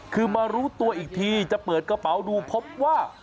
คือมารู้ตัวอีกทีจะเปิดกระเป๋าดูพบว่า